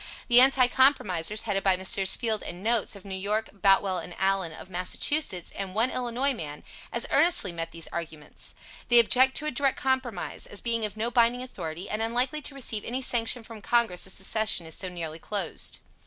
The Anti compromisers, headed by Messrs. Field and Notes, of New York, Boutwell and Allen, of Massachusetts, and one Illinois man, as earnestly met these arguments. They object to a Direct compromise, as being of no binding authority, and unlikely to receive any sanction from Congress as the session is so nearly closed.